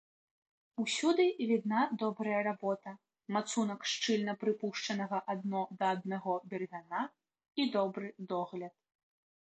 Усюды відна добрая работа, мацунак шчыльна прыпушчанага адно да аднаго бервяна і добры догляд.